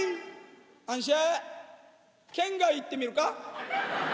じゃあ、県外行ってみるか？